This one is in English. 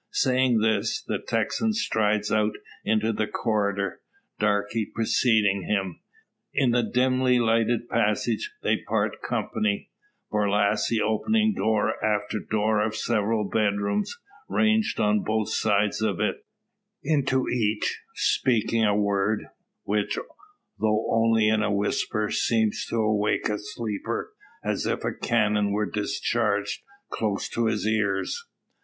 Saying this, the Texan strides out into the corridor, Darke preceding him. In the dimly lighted passage they part company, Borlasse opening door after door of several bedrooms, ranged on both sides of it; into each, speaking a word, which, though only in whisper, seems to awake a sleeper as if a cannon were discharged close to his ears.